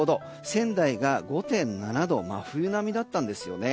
仙台は５．７度と真冬並みだったんですよね。